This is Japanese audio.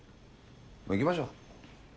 もう行きましょう。